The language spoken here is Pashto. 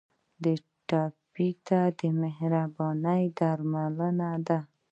ټپي ته مهرباني درملنه ده.